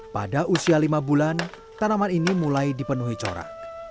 pada usia lima bulan tanaman ini mulai dipenuhi corak